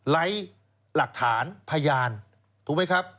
ไร้หลักฐานพยานถูกไหมครับ